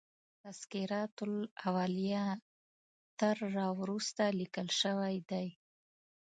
تذکرة الاولیاء تر را وروسته لیکل شوی دی.